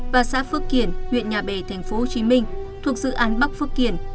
và xã phước kiển huyện nhà bè tp hcm thuộc dự án bắc phước kiển